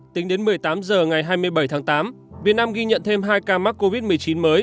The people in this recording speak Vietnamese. tính đến một mươi tám h ngày hai mươi bảy tháng tám việt nam ghi nhận thêm hai ca mắc covid một mươi chín mới